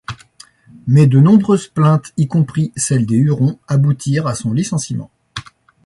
Mais de nombreuses plaintes, y compris celles des Hurons, aboutirent à son licenciement.